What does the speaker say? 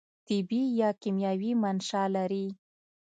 طبي یا کیمیاوي منشأ لري.